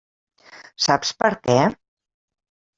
Saps per què?